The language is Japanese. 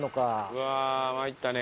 うわあ参ったね